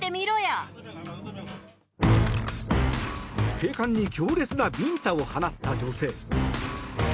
警官に強烈なビンタを放った女性。